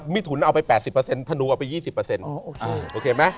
มิถุลเอาไป๘๐ธนูเอาไป๒๐